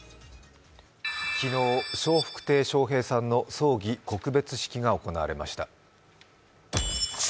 昨日、笑福亭笑瓶さんの葬儀・告別式が行われました。